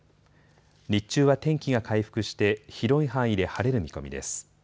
日中は天気が回復して広い範囲で晴れる見込みです。